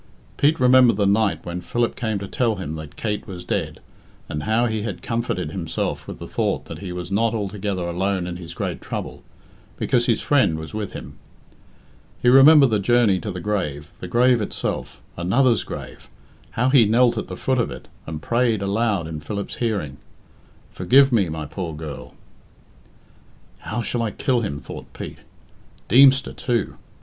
Pete remembered the night when Philip came to tell him that Kate was dead, and how he had comforted himself with the thought that he was not altogether alone in his great trouble, because his friend was with him. He remembered the journey to the grave, the grave itself another's grave how he knelt at the foot of it, and prayed aloud in Philip's hearing, "Forgive me, my poor girl!" "How shall I kill him?" thought Pete. Deemster too!